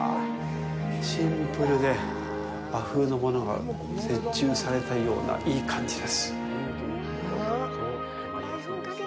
シンプルで、和風のものが折衷されたような、いい感じです。